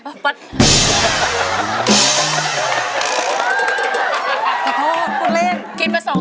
สวัสดีครับคุณหน่อย